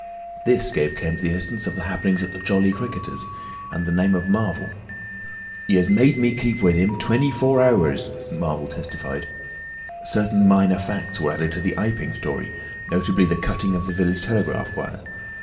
This gave Kemp the essence of the happenings at the "Jolly Cricketers," and the name of Marvel. "He has made me keep with him twenty four hours," Marvel testified. Certain minor facts were added to the Iping story, notably the cutting of the village telegraph wire.